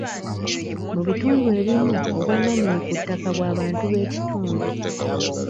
Mu bitundu ebimu obwannanyini ku ttaka bwa bantu b'ekitundu.